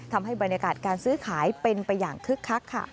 ทำให้บรรยากาศการซื้อขายเป็นไปอย่างคึกคักค่ะ